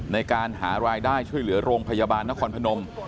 ในการหารายได้ช่วยเหลือโรงพยาบาลนครพนม